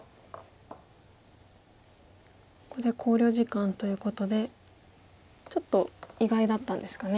ここで考慮時間ということでちょっと意外だったんですかね。